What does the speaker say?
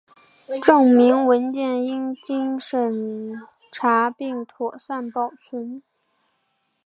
证明文件应经审查并妥善保存